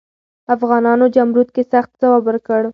افغانانو جمرود کې سخت ځواب ورکړ.